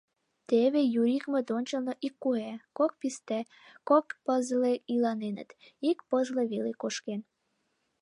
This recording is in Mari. Теве Юрикмыт ончылно ик куэ, кок писте, кок пызле иланеныт, ик пызле веле кошкен.